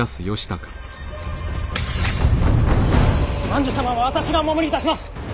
万寿様は私がお守りいたします！